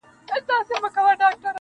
کورنۍ له دننه ماته سوې ده,